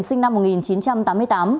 sinh năm một nghìn chín trăm tám mươi tám